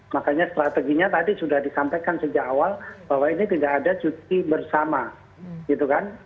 makanya strateginya tadi sudah disampaikan sejak awal bahwa ini tidak ada cuti bersama gitu kan